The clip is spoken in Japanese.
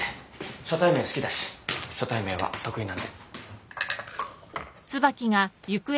初対面好きだし初対面は得意なんで。